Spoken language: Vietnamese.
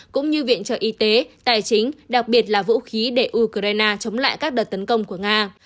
cũng như viện trợ y tế tài chính đặc biệt là vũ khí để ukraine chống lại các đợt tấn công của nga